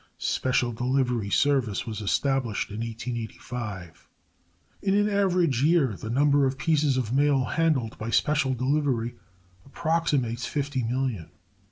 Special delivery service was established in 1885. In an average year the number of pieces of mail handled by special delivery approximates fifty million.